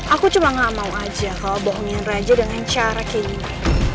aku cuma gak mau aja kalau bohongin raja dengan cara kayak gini